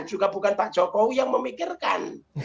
juga bukan pak jokowi yang memikirkan